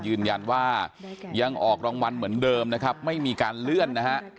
ยืนยันว่ายังออกรางวัลเหมือนเดิมนะครับไม่มีการเลื่อนนะฮะ